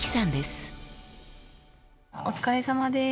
お疲れさまです。